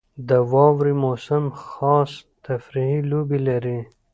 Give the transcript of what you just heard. • د واورې موسم خاص تفریحي لوبې لري.